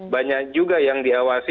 banyak juga yang diawasi